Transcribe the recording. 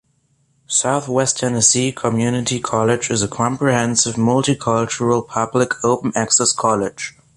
Southwest Tennessee Community College is a comprehensive, multicultural, public, open-access college.